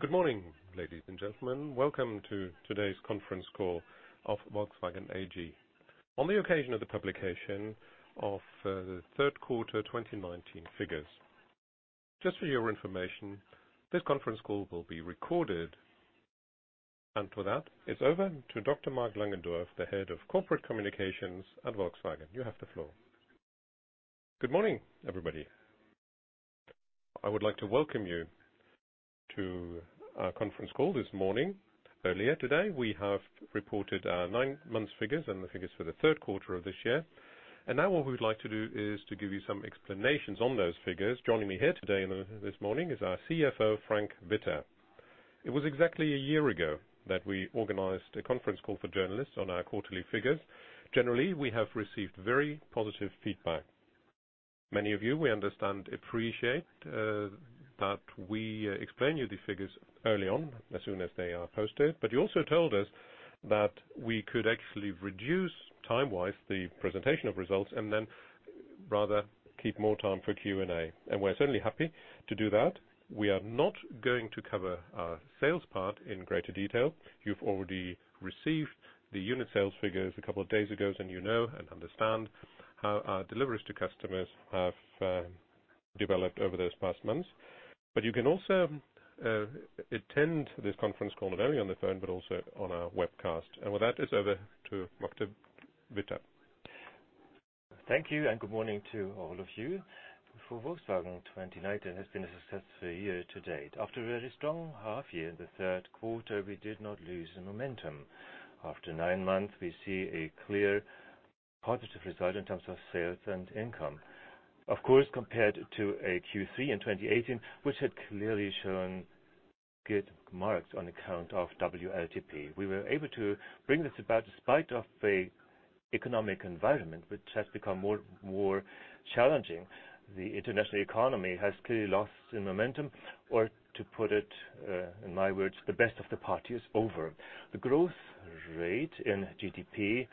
Good morning, ladies and gentlemen. Welcome to today's conference call of Volkswagen AG. On the occasion of the publication of the third quarter 2019 figures. Just for your information, this conference call will be recorded. For that, it's over to Dr. Marc Langendorf, the Head of Corporate Communications at Volkswagen. You have the floor. Good morning, everybody. I would like to welcome you to our conference call this morning. Earlier today, we have reported our nine months figures and the figures for the third quarter of this year. Now what we would like to do is to give you some explanations on those figures. Joining me here today this morning is our CFO, Frank Witter. It was exactly a year ago that we organized a conference call for journalists on our quarterly figures. Generally, we have received very positive feedback. Many of you, we understand, appreciate that we explain you the figures early on, as soon as they are posted. You also told us that we could actually reduce, time-wise, the presentation of results and then rather keep more time for Q&A, and we're certainly happy to do that. We are not going to cover our sales part in greater detail. You've already received the unit sales figures a couple of days ago, and you know and understand how our deliveries to customers have developed over those past months. You can also attend this conference call not only on the phone, but also on our webcast. With that, it's over to Frank Witter. Thank you, and good morning to all of you. For Volkswagen, 2019 has been a successful year to date. After a very strong half year, in the third quarter, we did not lose the momentum. After nine months, we see a clear positive result in terms of sales and income. Of course, compared to a Q3 in 2018, which had clearly shown good marks on account of WLTP. We were able to bring this about despite of the economic environment, which has become more challenging. The international economy has clearly lost the momentum, or to put it in my words, the best of the party is over. The growth rate in GDP,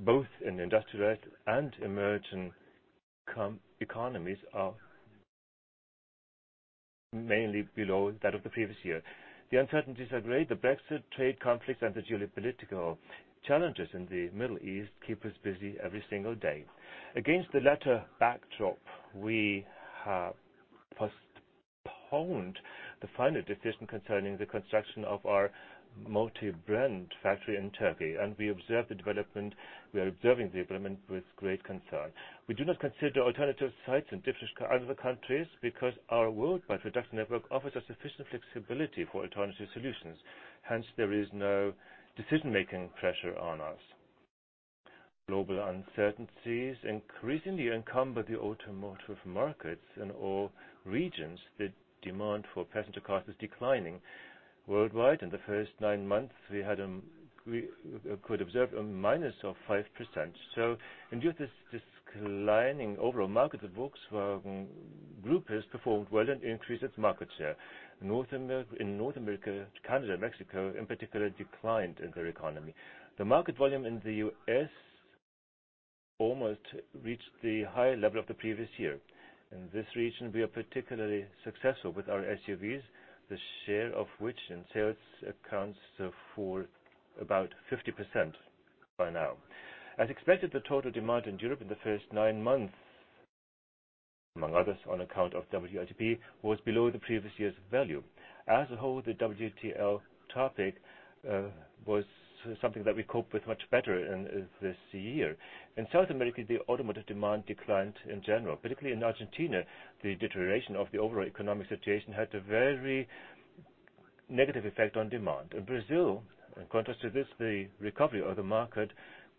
both in industrialized and emerging economies, are mainly below that of the previous year. The uncertainties are great. The Brexit trade conflicts and the geopolitical challenges in the Middle East keep us busy every single day. Against the latter backdrop, we have postponed the final decision concerning the construction of our multi-brand factory in Turkey, and we are observing the development with great concern. We do not consider alternative sites in other countries because our worldwide production network offers us sufficient flexibility for alternative solutions. Hence, there is no decision-making pressure on us. Global uncertainties increasingly encumber the automotive markets in all regions. The demand for passenger cars is declining worldwide. In the first nine months, we could observe a minus of 5%. In view of this declining overall market, the Volkswagen Group has performed well and increased its market share. In North America, Canada, and Mexico, in particular, declined in their economy. The market volume in the U.S. almost reached the high level of the previous year. In this region, we are particularly successful with our SUVs, the share of which in sales accounts for about 50% by now. As expected, the total demand in Europe in the first nine months, among others, on account of WLTP, was below the previous year's value. As a whole, the WLTP topic was something that we coped with much better in this year. In South America, the automotive demand declined in general. Particularly in Argentina, the deterioration of the overall economic situation had a very negative effect on demand. In Brazil, in contrast to this, the recovery of the market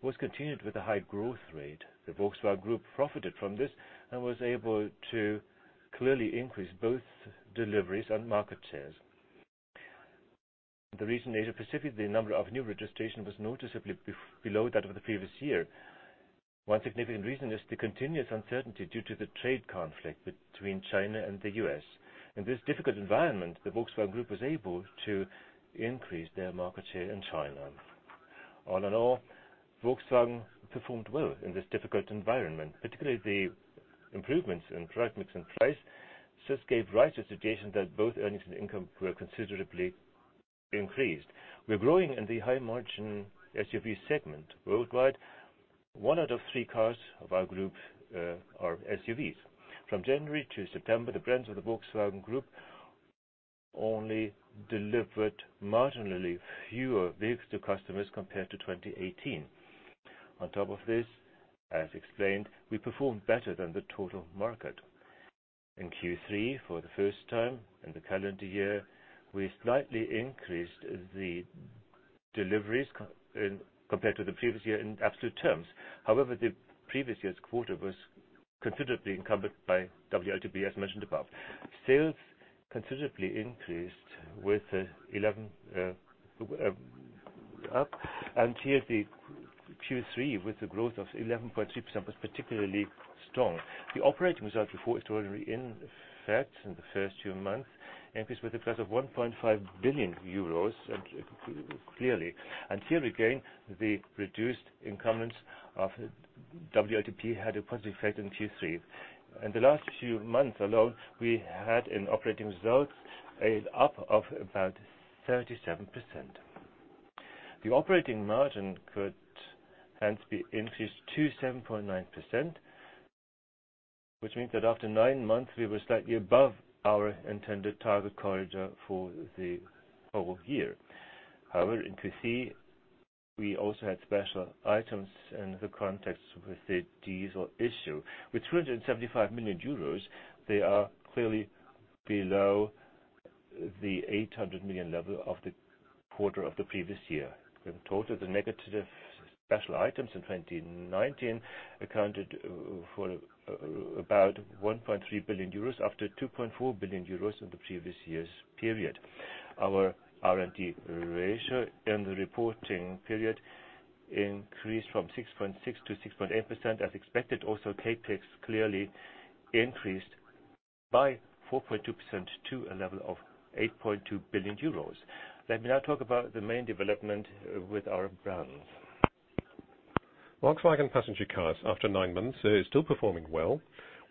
was continued with a high growth rate. The Volkswagen Group profited from this and was able to clearly increase both deliveries and market shares. In the region Asia-Pacific, the number of new registration was noticeably below that of the previous year. One significant reason is the continuous uncertainty due to the trade conflict between China and the U.S. In this difficult environment, the Volkswagen Group was able to increase their market share in China. All in all, Volkswagen performed well in this difficult environment. Particularly the improvements in product mix and price, this gave rise to suggestions that both earnings and income were considerably increased. We're growing in the high-margin SUV segment worldwide. One out of three cars of our group are SUVs. From January to September, the brands of the Volkswagen Group only delivered marginally fewer vehicles to customers compared to 2018. On top of this, as explained, we performed better than the total market. In Q3, for the first time in the calendar year, we slightly increased the deliveries compared to the previous year in absolute terms. The previous year's quarter was considerably encumbered by WLTP, as mentioned above. Sales considerably increased with 11% up, the Q3 with a growth of 11.3% was particularly strong. The operating result before extraordinary effects in the first two months increased with a plus of 1.5 billion euros clearly. Here again, the reduced encumbrances of WLTP had a positive effect in Q3. In the last few months alone, we had an operating result up of about 37%. The operating margin could hence be increased to 7.9%, which means that after nine months, we were slightly above our intended target corridor for the whole year. In Q3, we also had special items in the context with the diesel issue. With 375 million euros, they are clearly below the 800 million level of the quarter of the previous year. In total, the negative special items in 2019 accounted for about 1.3 billion euros after 2.4 billion euros in the previous year's period. Our R&D ratio in the reporting period increased from 6.6%-6.8%, as expected. CapEx clearly increased by 4.2% to a level of 8.2 billion euros. Let me now talk about the main development with our brands. Volkswagen passenger cars, after nine months, is still performing well.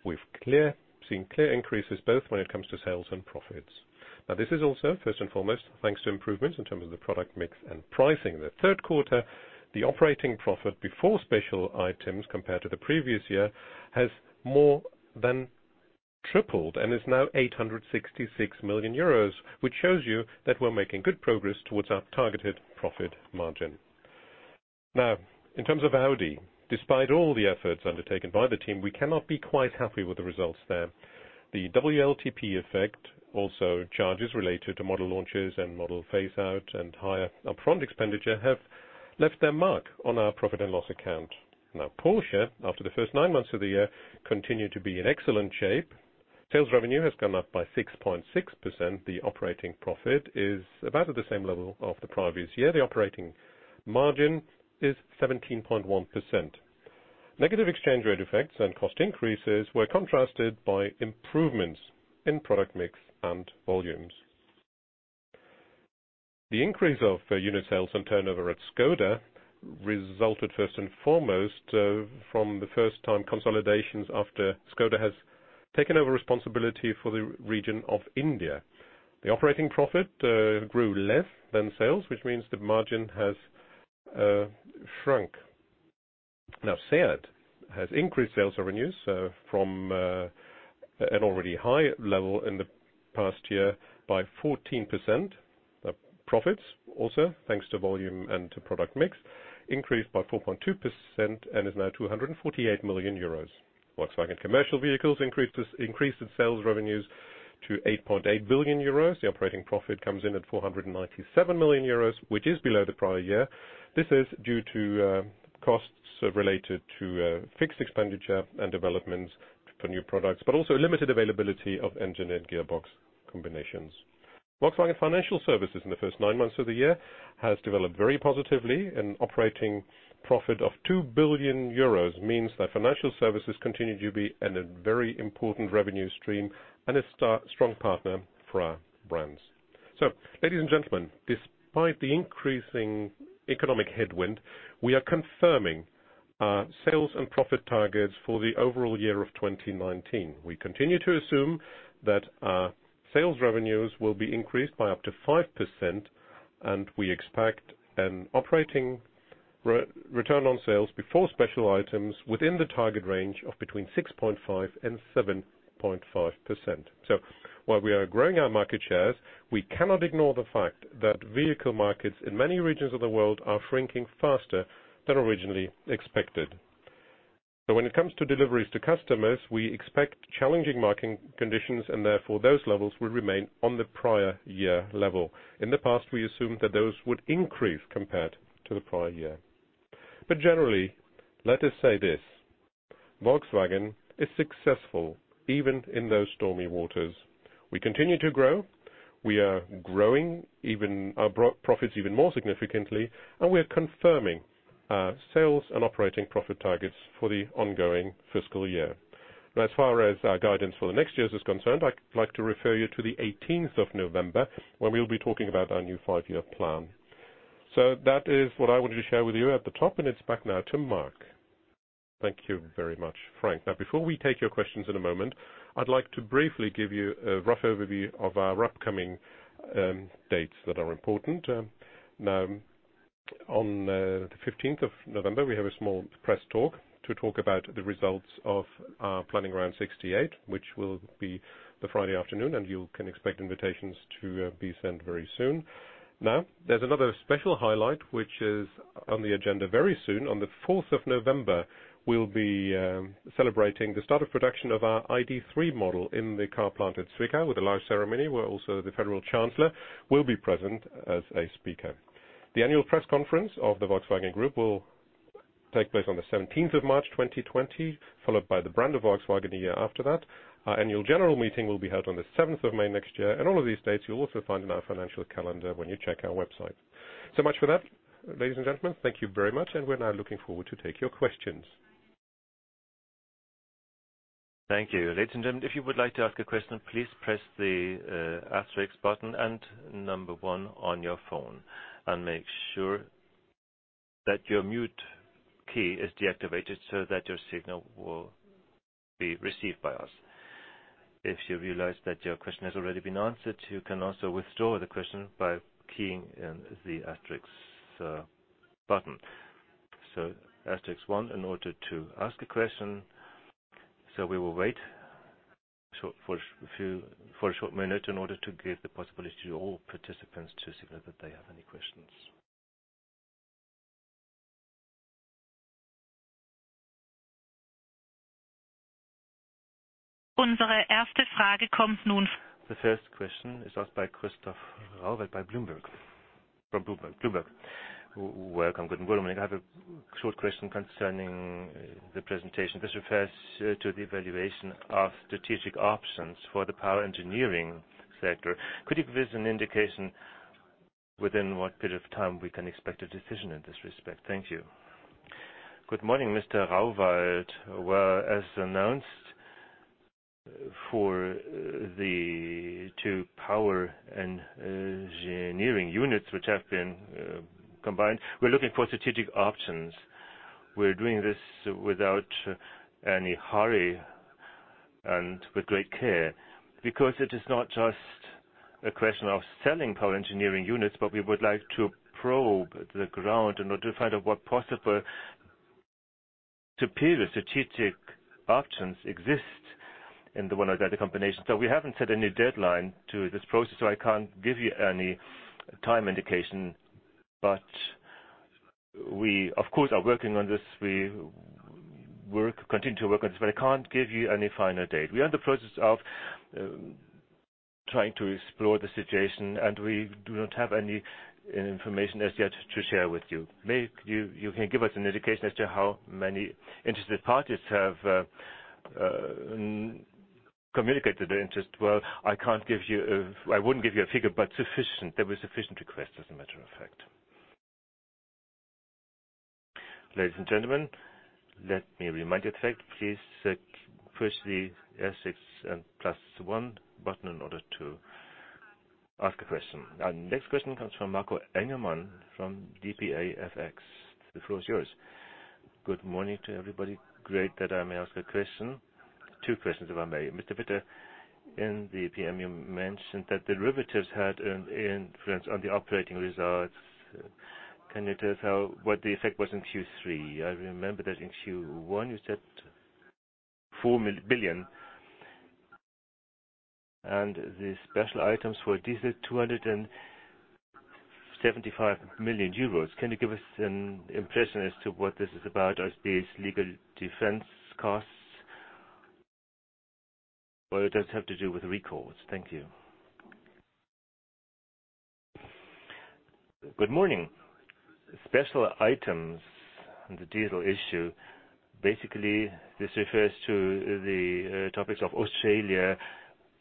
We've seen clear increases both when it comes to sales and profits. This is also, first and foremost, thanks to improvements in terms of the product mix and pricing. The third quarter, the operating profit before special items compared to the previous year has more than tripled and is now 866 million euros, which shows you that we're making good progress towards our targeted profit margin. In terms of Audi, despite all the efforts undertaken by the team, we cannot be quite happy with the results there. The WLTP effect, also charges related to model launches and model phase-out, and higher upfront expenditure have left their mark on our profit and loss account. Porsche, after the first nine months of the year, continued to be in excellent shape. Sales revenue has gone up by 6.6%. The operating profit is about at the same level of the previous year. The operating margin is 17.1%. Negative exchange rate effects and cost increases were contrasted by improvements in product mix and volumes. The increase of unit sales and turnover at Škoda resulted, first and foremost, from the first-time consolidations after Škoda has taken over responsibility for the region of India. The operating profit grew less than sales, which means the margin has shrunk. SEAT has increased sales revenues from an already high level in the past year by 14%. Profits, also, thanks to volume and to product mix, increased by 4.2% and is now 248 million euros. Volkswagen Commercial Vehicles increased its sales revenues to 8.8 billion euros. The operating profit comes in at 497 million euros, which is below the prior year. This is due to costs related to fixed expenditure and developments for new products, but also limited availability of engine and gearbox combinations. Volkswagen Financial Services in the first nine months of the year has developed very positively. An operating profit of 2 billion euros means that financial services continue to be a very important revenue stream and a strong partner for our brands. Ladies and gentlemen, despite the increasing economic headwind, we are confirming our sales and profit targets for the overall year of 2019. We continue to assume that our sales revenues will be increased by up to 5%, and we expect an operating return on sales before special items within the target range of between 6.5 and 7.5%. While we are growing our market shares, we cannot ignore the fact that vehicle markets in many regions of the world are shrinking faster than originally expected. When it comes to deliveries to customers, we expect challenging market conditions and therefore, those levels will remain on the prior year level. In the past, we assumed that those would increase compared to the prior year. Generally, let us say this. Volkswagen is successful even in those stormy waters. We continue to grow. We are growing our profits even more significantly, and we are confirming our sales and operating profit targets for the ongoing fiscal year. Now, as far as our guidance for the next years is concerned, I'd like to refer you to the 18th of November when we'll be talking about our new five-year plan. That is what I wanted to share with you at the top, and it's back now to Marc. Thank you very much, Frank. Before we take your questions in a moment, I'd like to briefly give you a rough overview of our upcoming dates that are important. On the 15th of November, we have a small press talk to talk about the results of our Planning Round 68, which will be the Friday afternoon, and you can expect invitations to be sent very soon. There's another special highlight, which is on the agenda very soon. On the 4th of November, we'll be celebrating the start of production of our ID.3 model in the car plant at Zwickau with a live ceremony, where also the Federal Chancellor will be present as a speaker. The annual press conference of the Volkswagen Group will take place on the 17th of March 2020, followed by the brand of Volkswagen a year after that. Our annual general meeting will be held on the 7th of May next year. All of these dates you'll also find in our financial calendar when you check our website. So much for that. Ladies and gentlemen, thank you very much, and we're now looking forward to take your questions. Thank you. Ladies and gentlemen, if you would like to ask a question, please press the asterisk button and number one on your phone, and make sure that your mute key is deactivated so that your signal will be received by us. If you realize that your question has already been answered, you can also withdraw the question by keying in the asterisk button. Asterisk one in order to ask a question. We will wait for a short minute in order to give the possibility to all participants to signal that they have any questions. The first question is asked by Christoph Rauwald by Bloomberg. From Bloomberg. Welcome. Good morning. I have a short question concerning the presentation. This refers to the evaluation of strategic options for the power engineering sector. Could you give us an indication within what period of time we can expect a decision in this respect? Thank you. Good morning, Mr. Rauwald. Well, as announced, for the two power engineering units which have been combined, we're looking for strategic options. We're doing this without any hurry and with great care. It is not just a question of selling power engineering units, but we would like to probe the ground in order to find out what possible strategic options exist in the one or the other combination. We haven't set any deadline to this process, I can't give you any time indication. We, of course, are working on this. We continue to work on this, I can't give you any final date. We are in the process of trying to explore the situation, and we do not have any information as yet to share with you. Maybe you can give us an indication as to how many interested parties have communicated their interest. Well, I wouldn't give you a figure, but there were sufficient requests, as a matter of fact. Ladies and gentlemen, let me remind you of that. Please press the asterisk and plus one button in order to ask a question. Our next question comes from Marco Engemann from dpa-AFX. The floor is yours. Good morning to everybody. Great that I may ask a question. Two questions, if I may. Mr. Witter, in the P&L you mentioned that derivatives had an influence on the operating results. Can you tell us what the effect was in Q3? I remember that in Q1 you said 4 billion, and the special items for diesel 275 million euros. Can you give us an impression as to what this is about? Are these legal defense costs, or does it have to do with recalls? Thank you. Good morning. Special items on the diesel issue. Basically, this refers to the topics of Australia,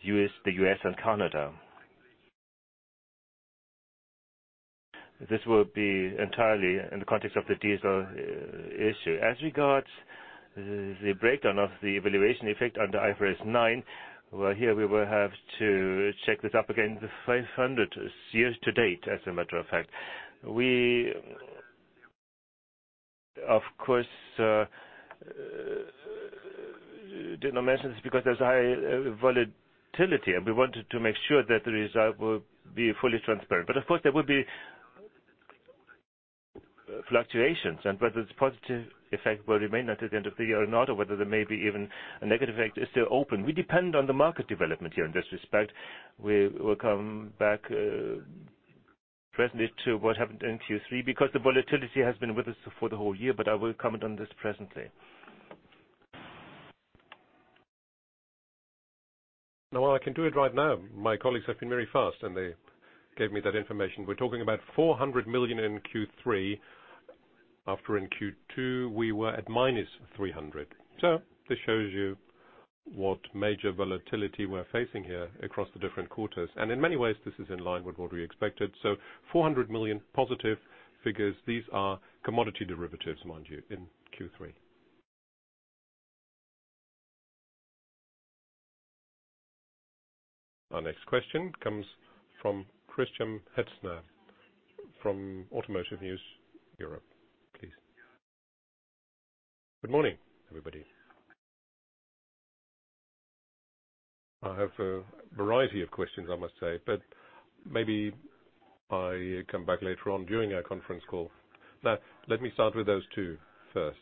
the U.S., and Canada. This will be entirely in the context of the diesel issue. As regards the breakdown of the evaluation effect under IFRS 9, well, here we will have to check this up again. The 500 is year to date, as a matter of fact. We, of course, did not mention this because there's high volatility, and we wanted to make sure that the result will be fully transparent. Of course, there will be fluctuations, and whether this positive effect will remain until the end of the year or not, or whether there may be even a negative effect, is still open. We depend on the market development here in this respect. We will come back presently to what happened in Q3, because the volatility has been with us for the whole year, but I will comment on this presently. No, I can do it right now. My colleagues have been very fast, and they gave me that information. We're talking about 400 million in Q3, after in Q2 we were at minus 300. This shows you what major volatility we're facing here across the different quarters. In many ways, this is in line with what we expected. 400 million positive figures. These are commodity derivatives, mind you, in Q3. Our next question comes from Christiaan Hetzner from Automotive News Europe. Please. Good morning, everybody. I have a variety of questions, I must say, but maybe I come back later on during our conference call. Let me start with those two first.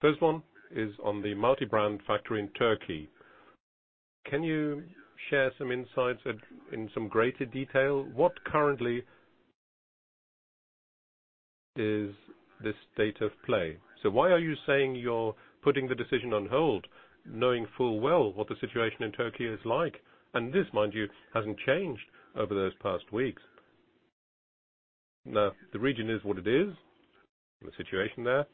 First one is on the multi-brand factory in Turkey. Can you share some insights in some greater detail? Why are you saying you're putting the decision on hold, knowing full well what the situation in Turkey is like? And this, mind you, hasn't changed over those past weeks. The region is what it is, the situation there,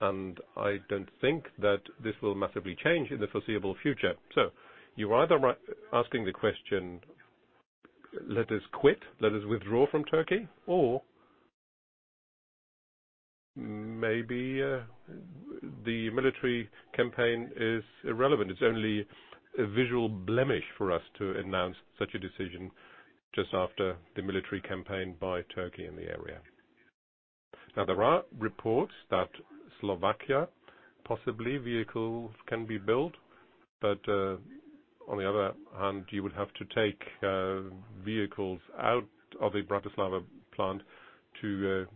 and I don't think that this will massively change in the foreseeable future. You are either asking the question, let us quit, let us withdraw from Turkey, or Maybe the military campaign is irrelevant. It's only a visual blemish for us to announce such a decision just after the military campaign by Turkey in the area. There are reports that Slovakia, possibly vehicles can be built, but on the other hand, you would have to take vehicles out of a Bratislava plant to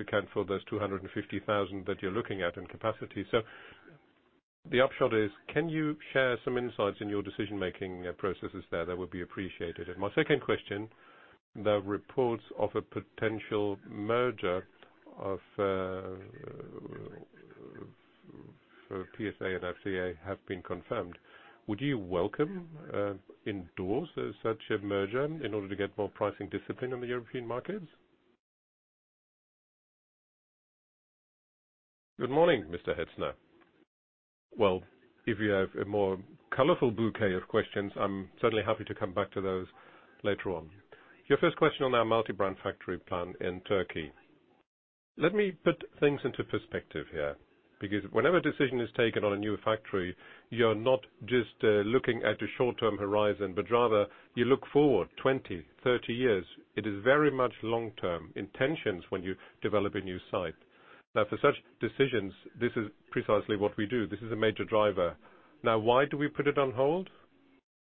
account for those 250,000 that you're looking at in capacity. The upshot is, can you share some insights in your decision-making processes there? That would be appreciated. My second question, the reports of a potential merger of PSA and FCA have been confirmed. Would you welcome, endorse such a merger in order to get more pricing discipline on the European markets? Good morning, Mr. Hetzer. Well, if you have a more colorful bouquet of questions, I'm certainly happy to come back to those later on. Your first question on our multi-brand factory plant in Turkey. Let me put things into perspective here, because whenever a decision is taken on a new factory, you're not just looking at a short-term horizon, but rather you look forward 20, 30 years. It is very much long-term intentions when you develop a new site. Now, for such decisions, this is precisely what we do. This is a major driver. Now, why do we put it on hold?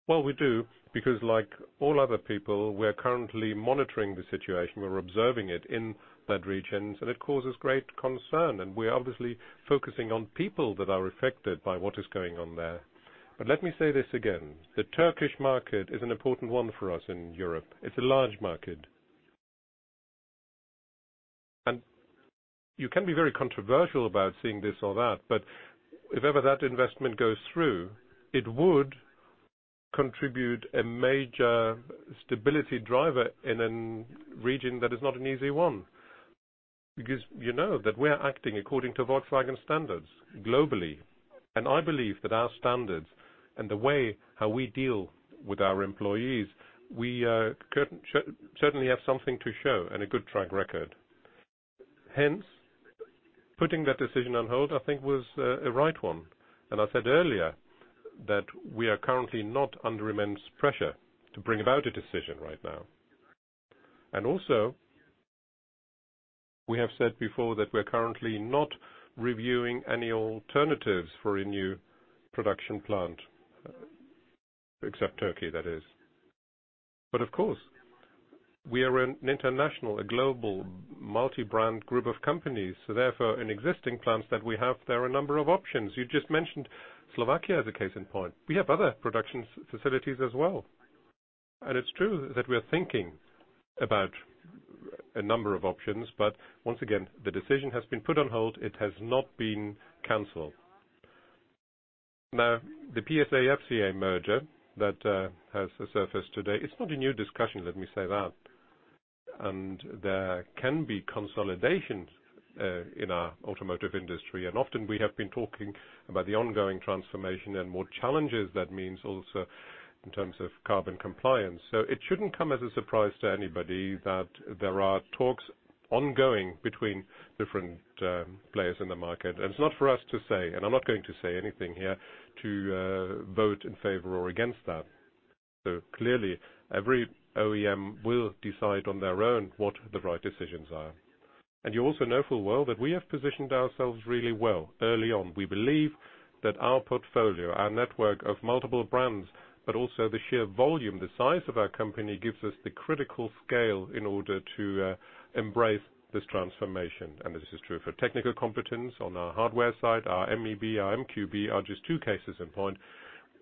Well, we do because like all other people, we're currently monitoring the situation. We're observing it in that region, and it causes great concern, and we are obviously focusing on people that are affected by what is going on there. Let me say this again, the Turkish market is an important one for us in Europe. It's a large market. You can be very controversial about seeing this or that, but if ever that investment goes through, it would contribute a major stability driver in a region that is not an easy one. You know that we're acting according to Volkswagen standards globally, and I believe that our standards and the way how we deal with our employees, we certainly have something to show and a good track record. Putting that decision on hold, I think, was a right one. I said earlier that we are currently not under immense pressure to bring about a decision right now. Also, we have said before that we're currently not reviewing any alternatives for a new production plant, except Turkey, that is. Of course, we are an international, a global multi-brand group of companies. Therefore, in existing plants that we have, there are a number of options. You just mentioned Slovakia as a case in point. We have other production facilities as well. It's true that we are thinking about a number of options, but once again, the decision has been put on hold. It has not been canceled. The PSA FCA merger that has surfaced today, it's not a new discussion, let me say that. There can be consolidations in our automotive industry. Often we have been talking about the ongoing transformation and more challenges that means also in terms of carbon compliance. It shouldn't come as a surprise to anybody that there are talks ongoing between different players in the market. It's not for us to say, and I'm not going to say anything here to vote in favor or against that. Clearly, every OEM will decide on their own what the right decisions are. You also know full well that we have positioned ourselves really well early on. We believe that our portfolio, our network of multiple brands, but also the sheer volume, the size of our company, gives us the critical scale in order to embrace this transformation. This is true for technical competence on our hardware side, our MEB, our MQB are just two cases in point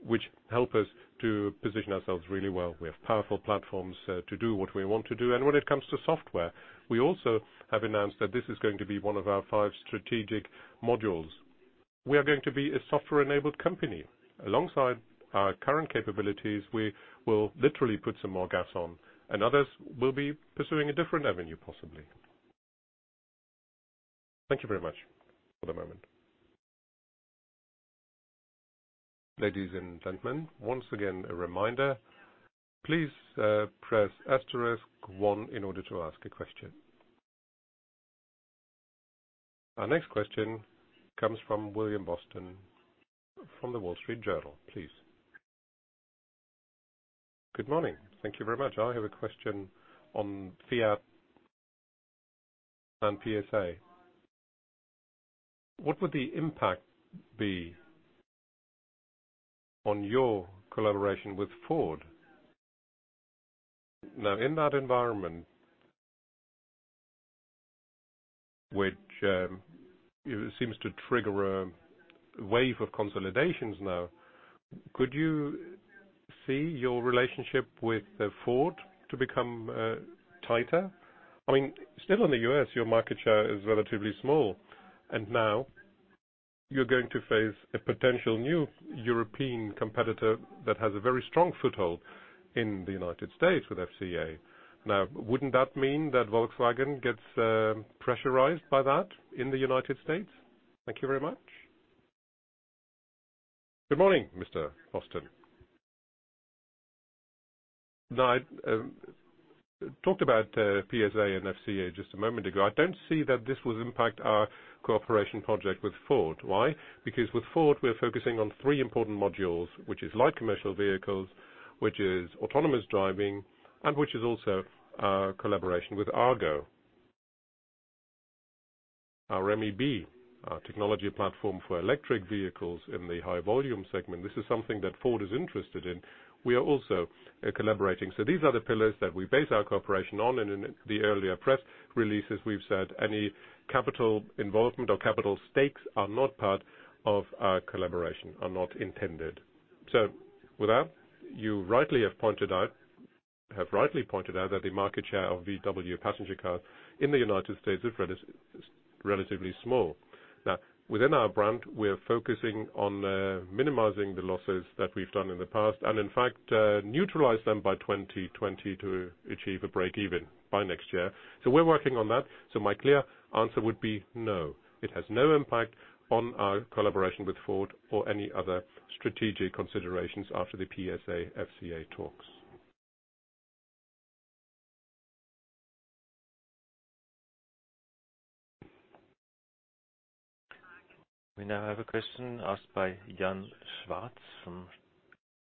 which help us to position ourselves really well. We have powerful platforms to do what we want to do. When it comes to software, we also have announced that this is going to be one of our five strategic modules. We are going to be a software-enabled company. Alongside our current capabilities, we will literally put some more gas on, and others will be pursuing a different avenue, possibly. Thank you very much for the moment. Ladies and gentlemen, once again, a reminder, please press asterisk one in order to ask a question. Our next question comes from William Boston from The Wall Street Journal, please. Good morning. Thank you very much. I have a question on Fiat and PSA. What would the impact be on your collaboration with Ford? Now, in that environment, which it seems to trigger a wave of consolidations now, could you see your relationship with Ford to become tighter? Still in the U.S., your market share is relatively small, and now you're going to face a potential new European competitor that has a very strong foothold in the United States with FCA. Wouldn't that mean that Volkswagen gets pressurized by that in the U.S.? Thank you very much. Good morning, Mr. Boston. I talked about PSA and FCA just a moment ago. I don't see that this will impact our cooperation project with Ford. Why? Because with Ford, we are focusing on three important modules, which is light commercial vehicles, which is autonomous driving, and which is also our collaboration with Argo. Our MEB technology platform for electric vehicles in the high-volume segment. This is something that Ford is interested in. We are also collaborating. These are the pillars that we base our cooperation on, and in the earlier press releases, we've said any capital involvement or capital stakes are not part of our collaboration, are not intended. With that, you have rightly pointed out that the market share of VW passenger cars in the U.S. is relatively small. Within our brand, we are focusing on minimizing the losses that we've done in the past and, in fact, neutralize them by 2020 to achieve a breakeven by next year. We're working on that. My clear answer would be no. It has no impact on our collaboration with Ford or any other strategic considerations after the PSA-FCA talks. We now have a question asked by Jan Schwartz from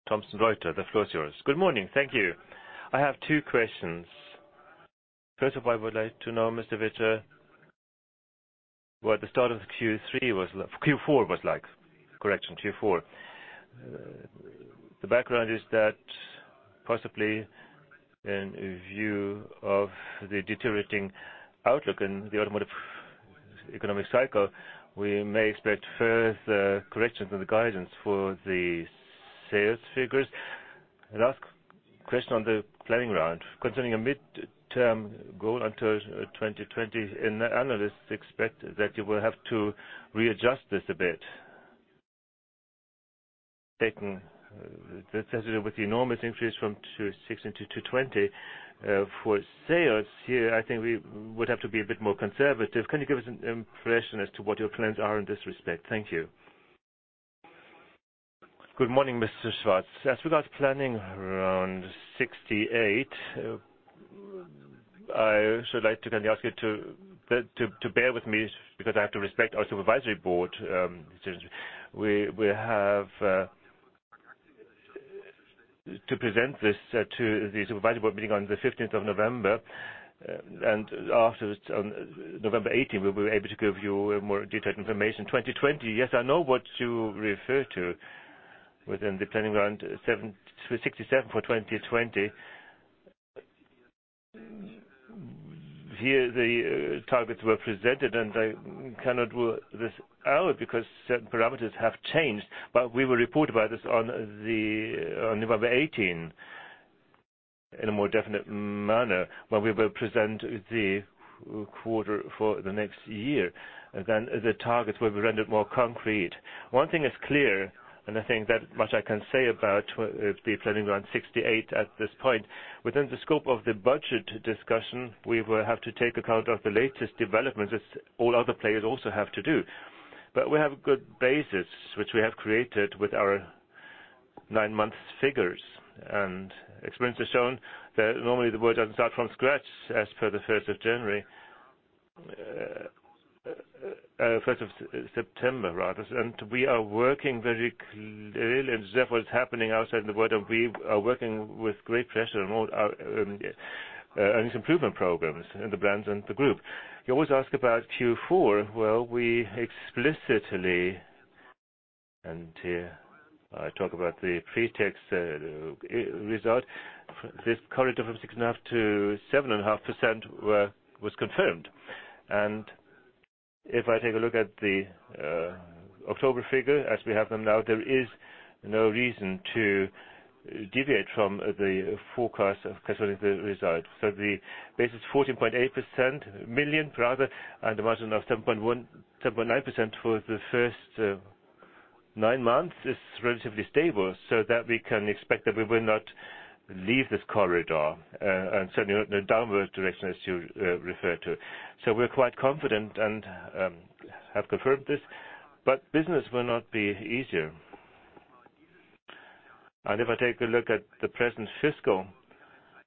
Thomson Reuters. The floor is yours. Good morning. Thank you. I have two questions. First of all, I would like to know, Mr. Witter, what the start of Q4 was like. The background is that possibly in view of the deteriorating outlook in the automotive economic cycle, we may expect further corrections in the guidance for the sales figures. Last question on the planning round concerning a mid-term goal until 2020. Analysts expect that you will have to readjust this a bit. Taken with the enormous increase from 2016 to 2020 for sales here, I think we would have to be a bit more conservative. Can you give us an impression as to what your plans are in this respect? Thank you. Good morning, Mr. Schwartz. As regards Planning Round 68, I should like to kindly ask you to bear with me because I have to respect our supervisory board. We have to present this to the supervisory board meeting on the 15th of November. After, on November 18, we will be able to give you more detailed information. 2020, yes, I know what you refer to within the Planning Round 67 for 2020. Here, the targets were presented, I cannot do this now because certain parameters have changed. We will report about this on November 18 in a more definite manner, when we will present the quarter for the next year. The targets will be rendered more concrete. One thing is clear, and I think that much I can say about the Planning Round 68 at this point. Within the scope of the budget discussion, we will have to take account of the latest developments, as all other players also have to do. We have a good basis, which we have created with our nine-month figures. Experience has shown that normally the board doesn't start from scratch as per the 1st of September. We are working very clearly and observe what is happening outside in the world, and we are working with great pressure on earnings improvement programs in the brands and the Group. You always ask about Q4. We explicitly, and here I talk about the pre-tax result, this corridor from 6.5%-7.5% was confirmed. If I take a look at the October figure as we have them now, there is no reason to deviate from the forecast concerning the result. The base is 14.8%, million rather, and the margin of 7.9% for the first nine months is relatively stable so that we can expect that we will not leave this corridor, and certainly not in a downward direction as you refer to. We're quite confident and have confirmed this. Business will not be easier. If I take a look at the present fiscal,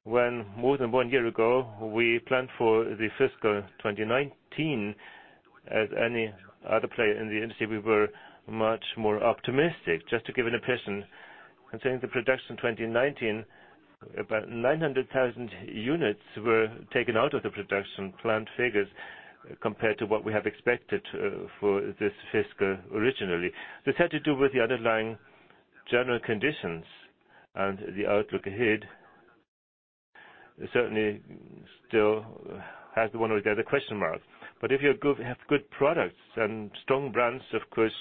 when more than one year ago, we planned for the fiscal 2019 as any other player in the industry, we were much more optimistic. Just to give an impression concerning the production 2019, about 900,000 units were taken out of the production plan figures compared to what we had expected for this fiscal originally. This had to do with the underlying general conditions and the outlook ahead certainly still has the one with the other question mark. If you have good products and strong brands, of course,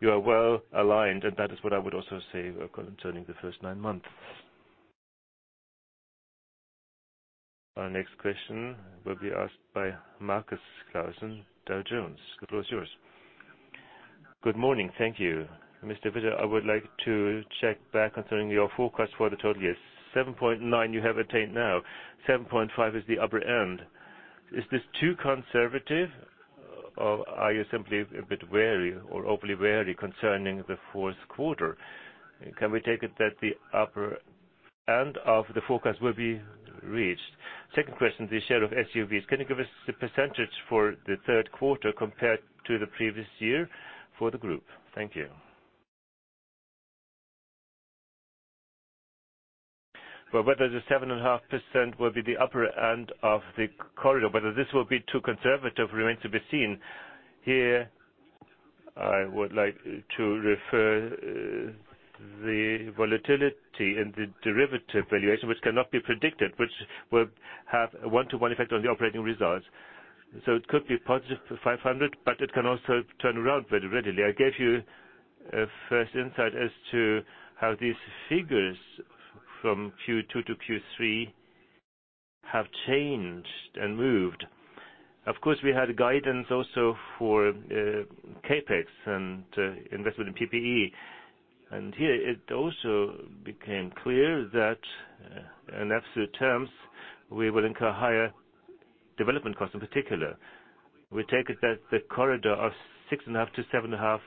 you are well-aligned, and that is what I would also say concerning the first nine months. Our next question will be asked by Markus Klausen, Dow Jones. The floor is yours. Good morning. Thank you. Mr. Witter, I would like to check back concerning your forecast for the total year. 7.9% you have attained now, 7.5% is the upper end. Is this too conservative? Are you simply a bit wary or overly wary concerning the fourth quarter? Can we take it that the upper end of the forecast will be reached? Second question, the share of SUVs. Can you give us the percentage for the third quarter compared to the previous year for the group? Thank you. Whether the 7.5% will be the upper end of the corridor, whether this will be too conservative remains to be seen. Here, I would like to refer the volatility and the derivative valuation, which cannot be predicted, which will have a one-to-one effect on the operating results. It could be positive for 500, but it can also turn around very readily. I gave you a first insight as to how these figures from Q2 to Q3 have changed and moved. Of course, we had guidance also for CapEx and investment in PPE. Here it also became clear that in absolute terms, we will incur higher development costs in particular. We take it that the corridor of 6.5%-7.5%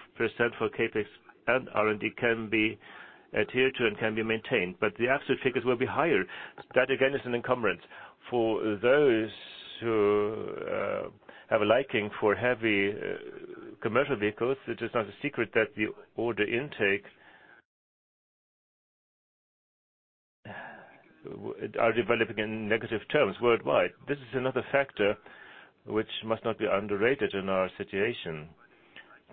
for CapEx and R&D can be adhered to and can be maintained, but the absolute figures will be higher. That again is an encumbrance. For those who have a liking for heavy commercial vehicles, it is not a secret that the order intake are developing in negative terms worldwide. This is another factor which must not be underrated in our situation.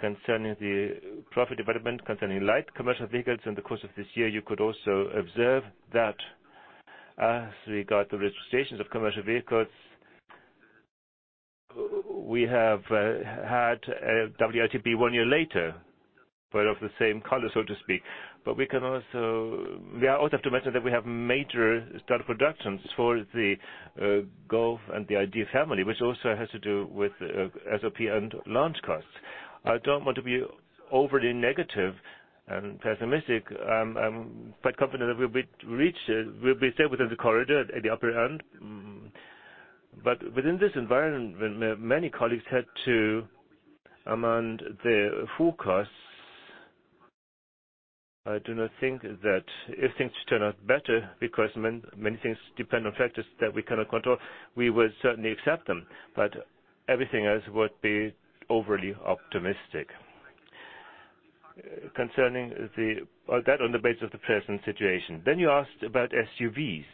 Concerning the profit development concerning light commercial vehicles in the course of this year, you could also observe that as regard to registrations of commercial vehicles, we have had a WLTP one year later, but of the same color, so to speak. We also have to mention that we have major start of productions for the Golf and the ID. family, which also has to do with SOP and launch costs. I don't want to be overly negative and pessimistic. I'm quite confident that we'll be safe within the corridor at the upper end, but within this environment where many colleagues had to amend their full costs, I do not think that if things turn out better, because many things depend on factors that we cannot control, we will certainly accept them, but everything else would be overly optimistic. That on the base of the present situation. You asked about SUVs.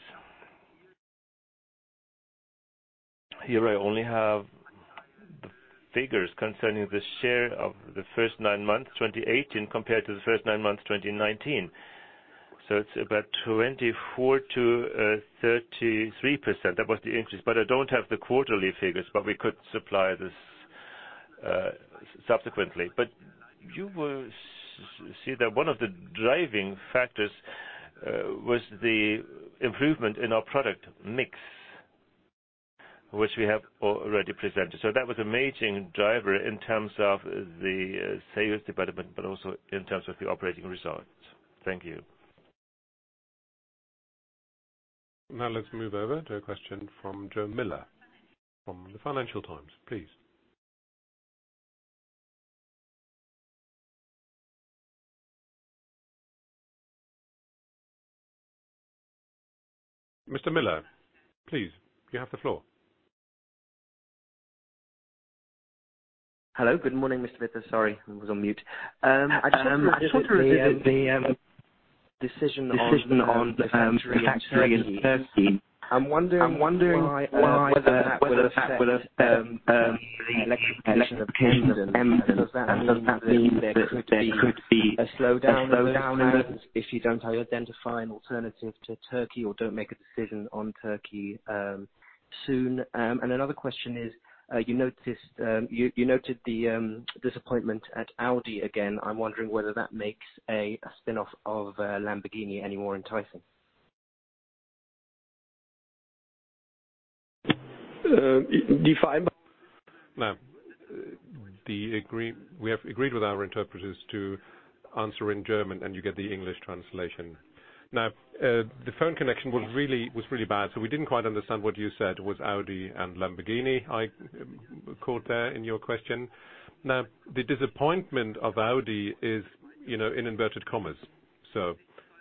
Here I only have the figures concerning the share of the first nine months, 2018, compared to the first nine months, 2019. It's about 24%-33%. That was the increase, but I don't have the quarterly figures, but we could supply this subsequently. You will see that one of the driving factors was the improvement in our product mix, which we have already presented. That was a major driver in terms of the sales development, but also in terms of the operating results. Thank you. Now let's move over to a question from Joe Miller from the Financial Times, please. Mr. Miller, please, you have the floor. Hello. Good morning, Mr. Witter. Sorry, I was on mute. The decision on the factory in Turkey. Decision on the factory in Turkey. I'm wondering whether that will affect the electric position of Emden. Does that mean that there could be a slowdown in Emden if you don't identify an alternative to Turkey or don't make a decision on Turkey soon? Another question is, you noted the disappointment at Audi again. I'm wondering whether that makes a spin-off of Lamborghini any more enticing. Define. We have agreed with our interpreters to answer in German, and you get the English translation. The phone connection was really bad, so we didn't quite understand what you said. It was Audi and Lamborghini I caught there in your question. The disappointment of Audi is in inverted commas.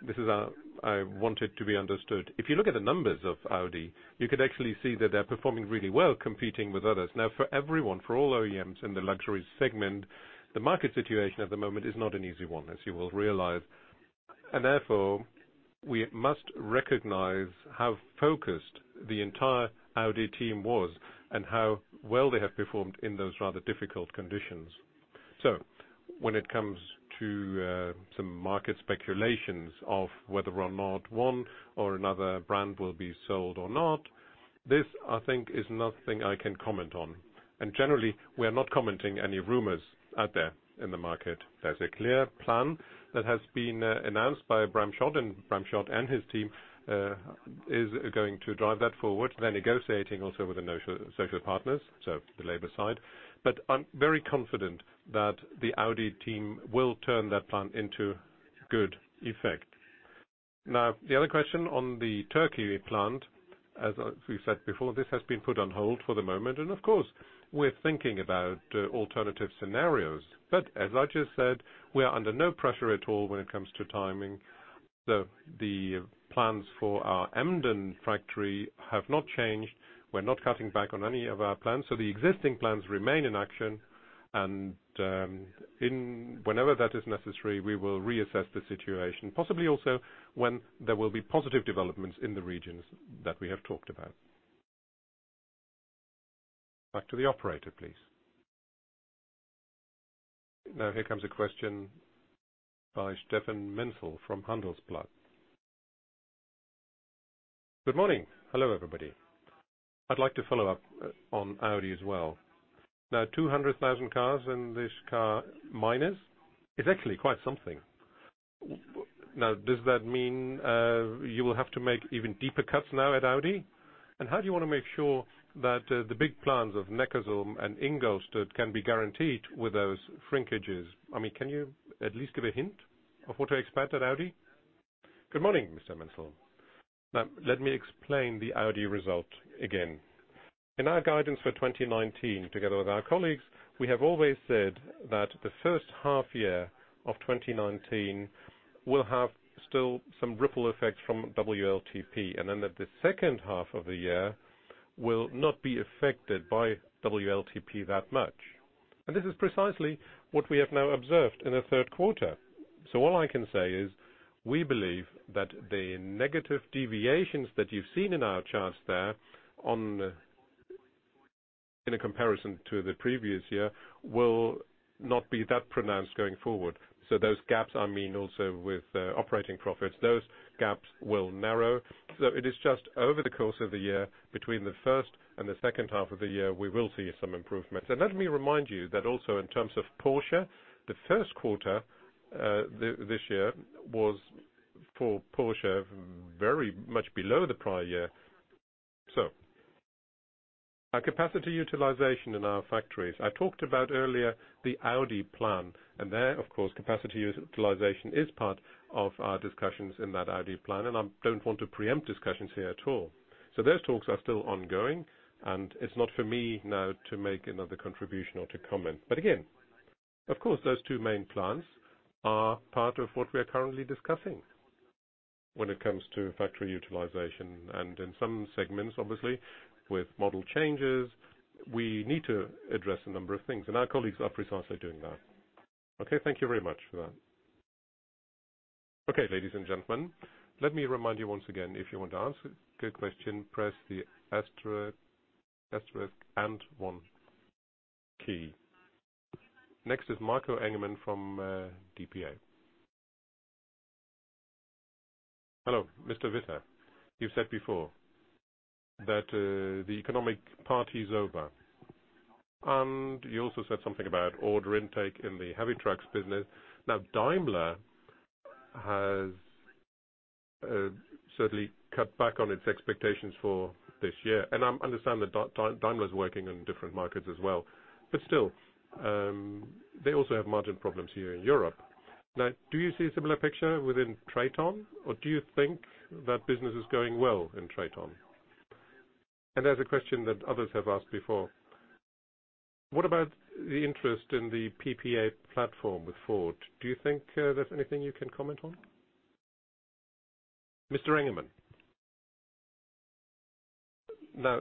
This is how I want it to be understood. If you look at the numbers of Audi, you could actually see that they're performing really well competing with others. For everyone, for all OEMs in the luxury segment, the market situation at the moment is not an easy one, as you will realize. Therefore, we must recognize how focused the entire Audi team was and how well they have performed in those rather difficult conditions. When it comes to some market speculations of whether or not one or another brand will be sold or not, this I think is nothing I can comment on. Generally, we are not commenting any rumors out there in the market. There's a clear plan that has been announced by Bram Schot, and Bram Schot and his team is going to drive that forward. They're negotiating also with the social partners, so the labor side. I'm very confident that the Audi team will turn that plan into good effect. The other question on the Turkey plant, as we said before, this has been put on hold for the moment. Of course, we're thinking about alternative scenarios. As I just said, we are under no pressure at all when it comes to timing. The plans for our Emden factory have not changed. We're not cutting back on any of our plans. The existing plans remain in action, and whenever that is necessary, we will reassess the situation. Possibly also when there will be positive developments in the regions that we have talked about. Back to the operator, please. Here comes a question by Stefan Menzel from Handelsblatt. Good morning. Hello, everybody. I'd like to follow up on Audi as well. 200,000 cars in this car minus is actually quite something. Does that mean you will have to make even deeper cuts now at Audi? How do you want to make sure that the big plans of Neckarsulm and Ingolstadt can be guaranteed with those shrinkages? Can you at least give a hint of what to expect at Audi? Good morning, Mr. Menzel. Let me explain the Audi result again. In our guidance for 2019, together with our colleagues, we have always said that the first half year of 2019 will have still some ripple effects from WLTP, and then that the second half of the year will not be affected by WLTP that much. This is precisely what we have now observed in the third quarter. All I can say is we believe that the negative deviations that you've seen in our charts there in a comparison to the previous year will not be that pronounced going forward. Those gaps, I mean also with operating profits, those gaps will narrow. It is just over the course of the year between the first and the second half of the year, we will see some improvements. Let me remind you that also in terms of Porsche, the first quarter this year was for Porsche very much below the prior year. Our capacity utilization in our factories, I talked about earlier the Audi plan and there, of course, capacity utilization is part of our discussions in that Audi plan, and I don't want to preempt discussions here at all. Those talks are still ongoing, and it's not for me now to make another contribution or to comment. Again, of course, those two main plans are part of what we are currently discussing when it comes to factory utilization and in some segments, obviously with model changes, we need to address a number of things, and our colleagues are precisely doing that. Okay. Thank you very much for that. Okay, ladies and gentlemen, let me remind you once again, if you want to ask a question, press the asterisk and one key. Next is Marco Engemann from DPA. Hello, Mr. Witter. You've said before that the economic party is over. You also said something about order intake in the heavy trucks business. Daimler has certainly cut back on its expectations for this year. I understand that Daimler is working on different markets as well. Still, they also have margin problems here in Europe. Do you see a similar picture within TRATON, or do you think that business is going well in TRATON? As a question that others have asked before, what about the interest in the PPE platform with Ford? Do you think there's anything you can comment on? Mr. Engemann. Now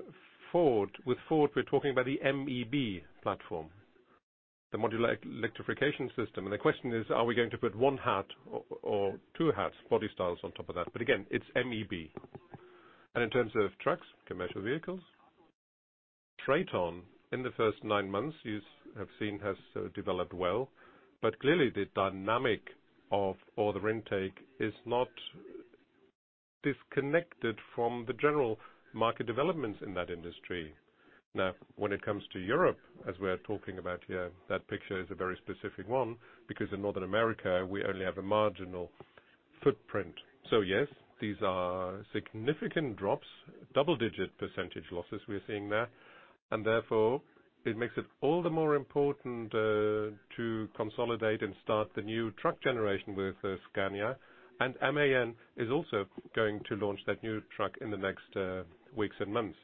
with Ford, we're talking about the MEB platform, the modular electrification system. The question is, are we going to put one hat or two hats, body styles on top of that? Again, it's MEB. In terms of trucks, commercial vehicles, TRATON in the first nine months you have seen has developed well. Clearly the dynamic of order intake is not disconnected from the general market developments in that industry. When it comes to Europe, as we are talking about here, that picture is a very specific one because in North America we only have a marginal footprint. Yes, these are significant drops, double-digit % losses we are seeing there. Therefore it makes it all the more important to consolidate and start the new truck generation with Scania. MAN is also going to launch that new truck in the next weeks and months.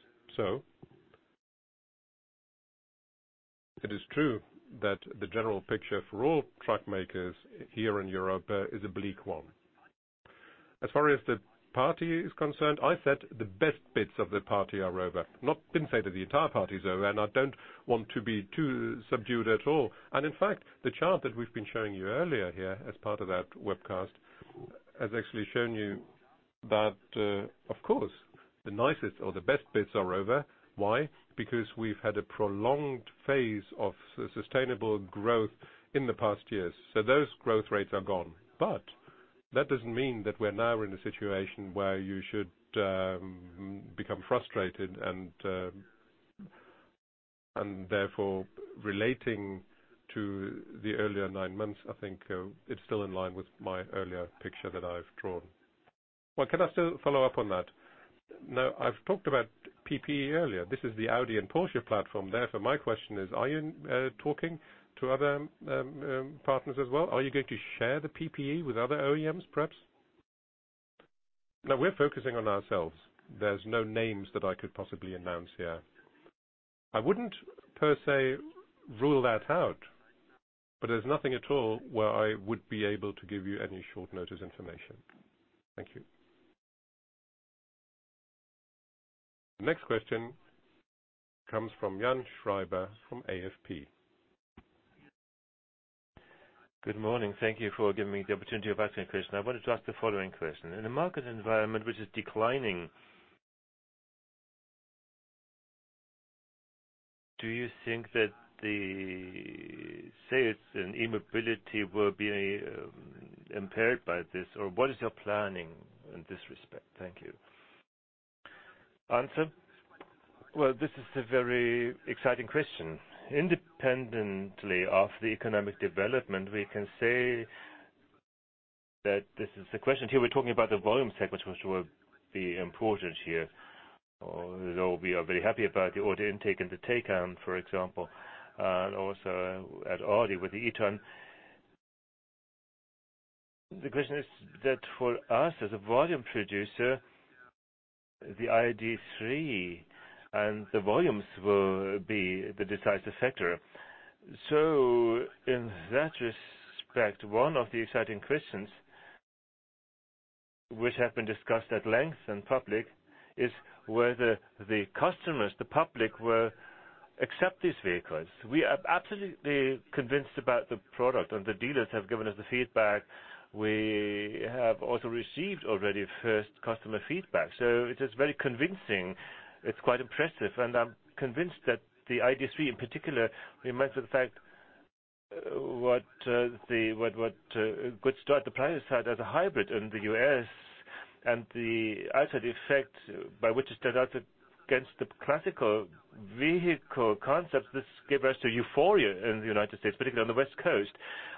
It is true that the general picture for all truck makers here in Europe is a bleak one. As far as the party is concerned, I said the best bits of the party are over. I've not been saying that the entire party is over and I don't want to be too subdued at all. In fact, the chart that we've been showing you earlier here as part of that webcast has actually shown you that, of course, the nicest or the best bits are over. Why? Because we've had a prolonged phase of sustainable growth in the past years. Those growth rates are gone. That doesn't mean that we're now in a situation where you should become frustrated and therefore relating to the earlier nine months, I think it's still in line with my earlier picture that I've drawn. Well, can I still follow up on that? I've talked about PPE earlier. This is the Audi and Porsche platform. My question is, are you talking to other partners as well? Are you going to share the PPE with other OEMs, perhaps? No, we're focusing on ourselves. There's no names that I could possibly announce here. I wouldn't per se rule that out, but there's nothing at all where I would be able to give you any short-notice information. Thank you. The next question comes from Yann Schreiber from AFP. Good morning. Thank you for giving me the opportunity of asking a question. I wanted to ask the following question. In a market environment which is declining, do you think that the sales in e-mobility will be impaired by this? What is your planning in this respect? Thank you. Well, this is a very exciting question. Independently of the economic development, we can say that this is the question. Here, we're talking about the volume segments which will be important here, although we are very happy about the order intake and the take on, for example, and also at Audi with the e-tron. The question is that for us, as a volume producer, the ID.3 and the volumes will be the decisive factor. In that respect, one of the exciting questions which have been discussed at length in public is whether the customers, the public, will accept these vehicles. We are absolutely convinced about the product, and the dealers have given us the feedback. We have also received already first customer feedback. It is very convincing. It's quite impressive, and I'm convinced that the ID.3 in particular reminds us of the fact what a good start the Prius had as a hybrid in the U.S., and the outside effect by which it stood out against the classical vehicle concepts. This gave rise to euphoria in the United States, particularly on the West Coast.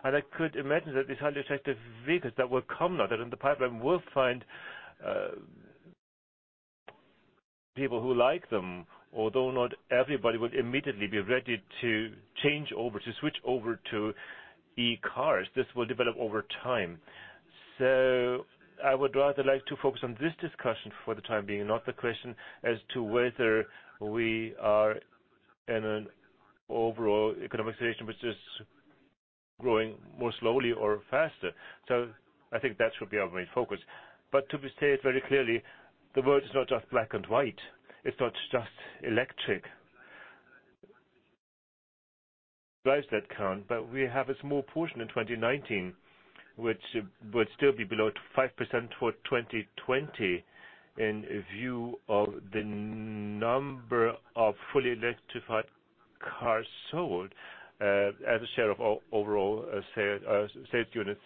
I could imagine that these highly effective vehicles that will come now, that are in the pipeline, will find people who like them. Although not everybody will immediately be ready to change over, to switch over to e-cars. This will develop over time. I would rather like to focus on this discussion for the time being, not the question as to whether we are in an overall economic situation which is growing more slowly or faster. I think that should be our main focus. To state very clearly, the world is not just black and white. It's not just electric. Drives that count, but we have a small portion in 2019, which would still be below 5% for 2020 in view of the number of fully electrified cars sold as a share of overall sales units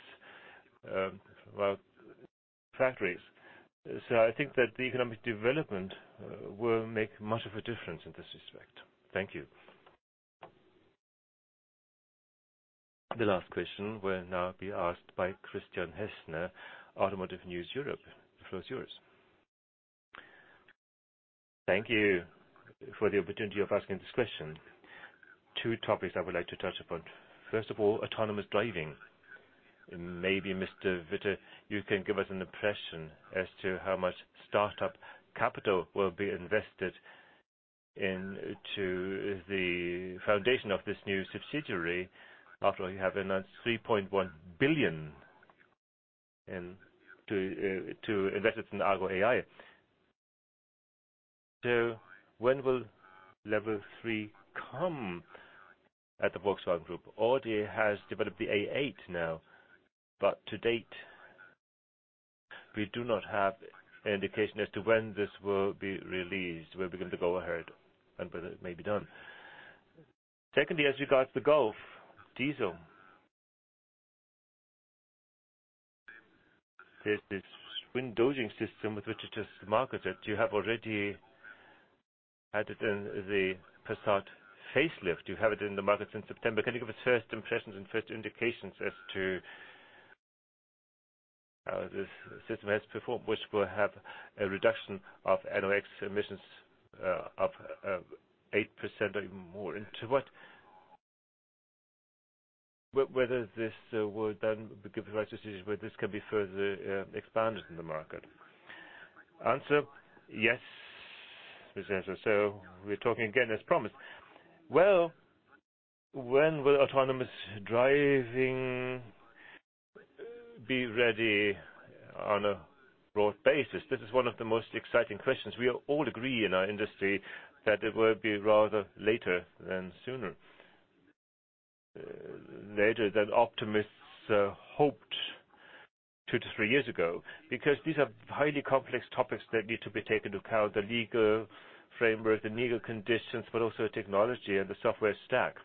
factories. I think that the economic development will make much of a difference in this respect. Thank you. The last question will now be asked by Christiaan Hetzner, Automotive News Europe. The floor is yours. Thank you for the opportunity of asking this question. Two topics I would like to touch upon. First of all, autonomous driving. Maybe, Mr. Witter, you can give us an impression as to how much startup capital will be invested into the foundation of this new subsidiary after you have announced 3.1 billion to invest it in Argo AI. When will Level 3 come at the Volkswagen Group? Audi has developed the A8 now, to date, we do not have an indication as to when this will be released, whether we're going to go ahead and whether it may be done. Secondly, as regards the Golf diesel. There's this twin-dosing system with which it is marketed. You have already had it in the Passat facelift. You have it in the market since September. Can you give us first impressions and first indications as to how this system has performed, which will have a reduction of NOx emissions of 8% or even more, into whether this will give the right decision whether this can be further expanded in the market. Answer. Yes. We're talking again as promised. When will autonomous driving be ready on a broad basis? This is one of the most exciting questions. We all agree in our industry that it will be rather later than sooner. Later than optimists hoped two to three years ago, because these are highly complex topics that need to be taken into account, the legal framework, the legal conditions, but also the technology and the software stack.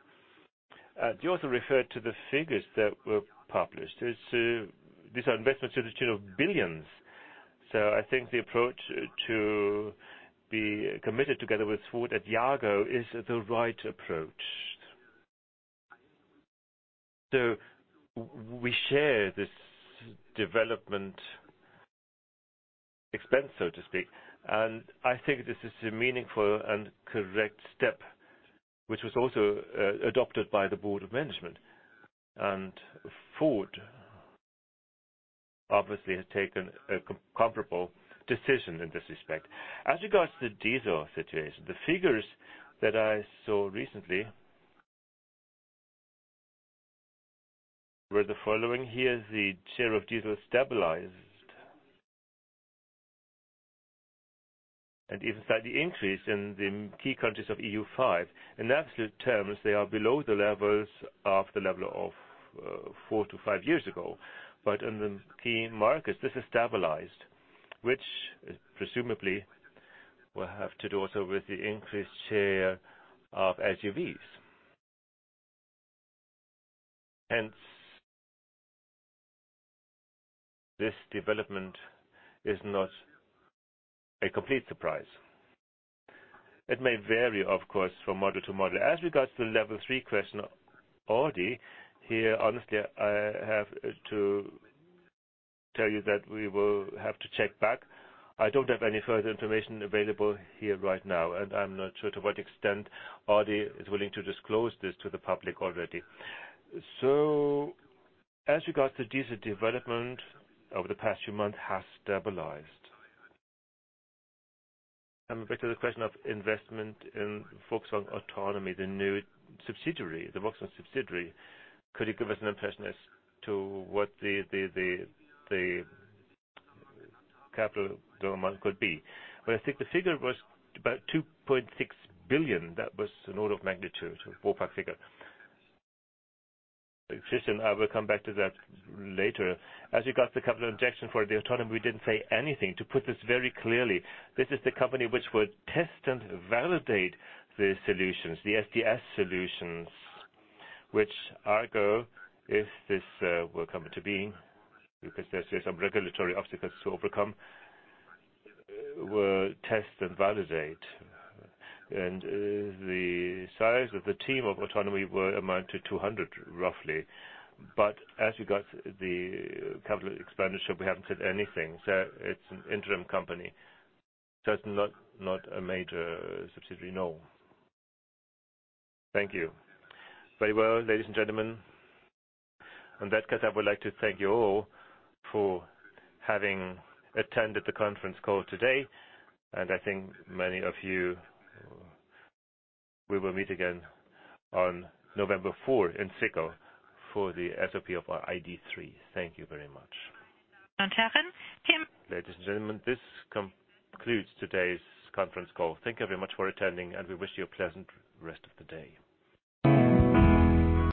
You also referred to the figures that were published. These are investments to the tune of billions. I think the approach to be committed together with Ford at Argo is the right approach. We share this development expense, so to speak, and I think this is a meaningful and correct step, which was also adopted by the board of management. Ford obviously has taken a comparable decision in this respect. As regards to the diesel situation, the figures that I saw recently were the following here, the share of diesel stabilized and even slightly increased in the key countries of EU Five. In absolute terms, they are below the levels of four to five years ago. In the key markets, this has stabilized, which presumably will have to do also with the increased share of SUVs. Hence, this development is not a complete surprise. It may vary, of course, from model to model. As regards to the Level 3 question, Audi, here, honestly, I have to tell you that we will have to check back. I don't have any further information available here right now, and I'm not sure to what extent Audi is willing to disclose this to the public already. As regards to diesel development over the past few months has stabilized. Back to the question of investment in focus on Volkswagen Autonomy, the new subsidiary, the Volkswagen subsidiary. Could you give us an impression as to what the capital amount could be? I think the figure was about 2.6 billion. That was an order of magnitude, a ballpark figure. Christian, I will come back to that later. As you got the capital injection for the Volkswagen Autonomy, we didn't say anything. To put this very clearly, this is the company which will test and validate the solutions, the SDS solutions, which ergo, if this will come to be, because there are some regulatory obstacles to overcome, will test and validate. The size of the team of Volkswagen Autonomy will amount to 200, roughly. As you got the capital expenditure, we haven't said anything. It's an interim company. It's not a major subsidiary, no. Thank you. Very well, ladies and gentlemen. On that note, I would like to thank you all for having attended the conference call today. I think many of you we will meet again on November fourth in Zwickau for the SOP of our ID.3. Thank you very much. Tim. Ladies and gentlemen, this concludes today's conference call. Thank you very much for attending. We wish you a pleasant rest of the day.